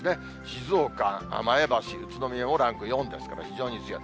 静岡、前橋、宇都宮もランク４ですから、非常に強い。